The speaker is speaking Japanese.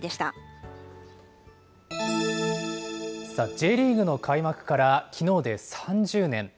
Ｊリーグの開幕からきのうで３０年。